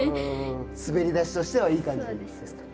滑り出しとしてはいい感じですか。